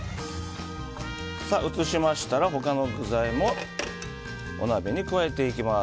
移しましたら他の具材もお鍋に加えていきます。